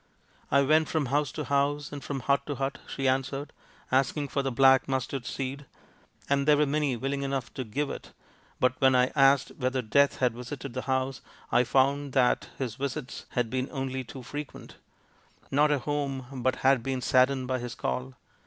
" I went from house to house and from hut to hut/' she answered, " asking for the black mustard seed, and there were many willing "enough to give it, but when I asked whether Death had visited the house I found that his visits had been only too frequent not a home but had been saddened by his call.